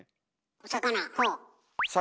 お魚？